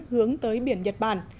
hướng tới biển nhật bản